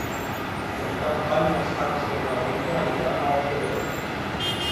Per Cap d'Any na Sança i na Rita aniran a la Febró.